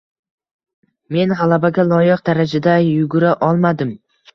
Men gʻalabaga loyiq darajada yugura olmadim